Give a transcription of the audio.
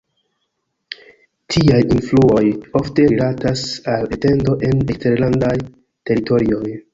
Tiaj influoj ofte rilatas al etendo en eksterlandaj teritorioj.